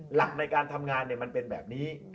หลักในการทำงานมันเป็นแบบนี้